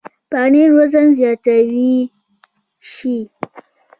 پنېر وزن زیاتولی شي.